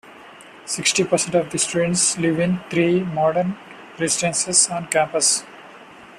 Sixty percent of the students live in three modern residences on campus.